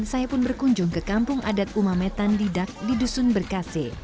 saya pun berkunjung ke kampung adat umametan didak di dusun berkase